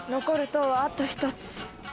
残る塔はあと１つ。